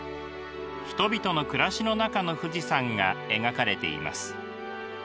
人々の暮らしの中の富士山が描かれています。